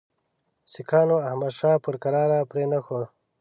سیکهانو احمدشاه پر کراره پرې نه ښود.